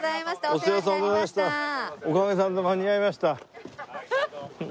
おかげさまで間に合いました。